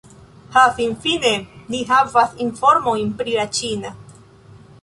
Ha, finfine ni havas informojn pri la ĉina!